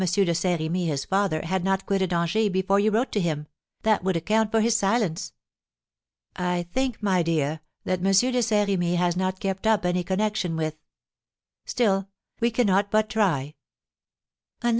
de Saint Remy, his father, had not quitted Angers before you wrote to him: that would account for his silence." "I think, my dear, that M. de Saint Remy has not kept up any connection with Still, we cannot but try." "Unless M.